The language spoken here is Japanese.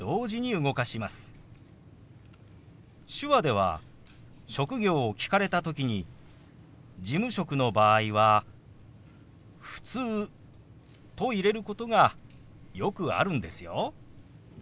手話では職業を聞かれた時に事務職の場合は「ふつう」と入れることがよくあるんですよ。